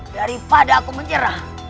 daripada aku menyerah